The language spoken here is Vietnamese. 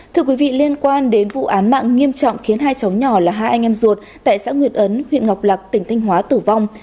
thưa quý vị liên quan đến vụ án mạng nghiêm trọng khiến hai cháu nhỏ là hai anh em ruột tại xã nguyệt ấn huyện ngọc lạc tỉnh thanh hóa tử vong